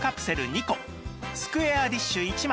２個スクエアディッシュ１枚